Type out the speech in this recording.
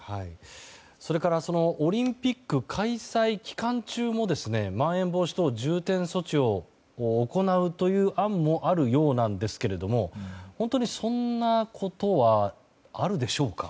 それからオリンピック開催期間中もまん延防止等重点措置を行うという案もあるようなんですが本当に、そんなことはあるでしょうか？